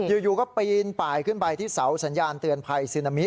อยู่ก็ปีนป่ายขึ้นไปที่เสาสัญญาณเตือนภัยซึนามิ